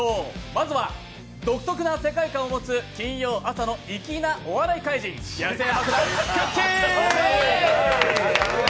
まずは独特な世界観を持つ金曜朝の粋なお笑い怪人、野性爆弾・くっきー！。